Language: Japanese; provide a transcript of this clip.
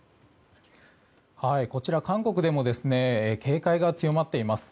韓国でも警戒が強まっています。